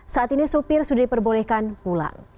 saat ini supir sudah diperbolehkan pulang